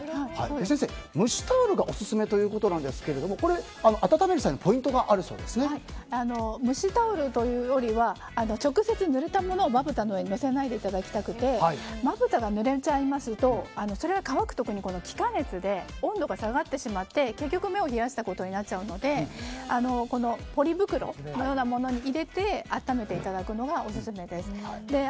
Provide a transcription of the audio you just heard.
先生、蒸しタオルがオススメということなんですけれどもこれは温める際に蒸しタオルというよりは直接ぬれたものをまぶたの上にのせないでいただきたくてまぶたがぬれちゃいますとそれが乾く時に、気化熱で温度が下がってしまって結局目を冷やしたことになってしまうのでポリ袋のようなものに入れて温めていただくのがオススメです。